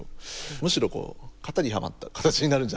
むしろこう型にはまった形になるんじゃないかとか。